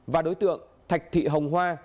và đối tượng thạch thị hồng hoa